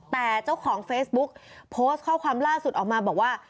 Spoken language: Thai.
แต่เจ้าของเฟซบุ๊กโพสต์ข้อความล่าสุดออกมาบอกว่า